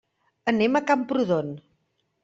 Anem a Camprodon.